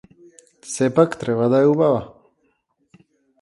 Сепак треба да е убава.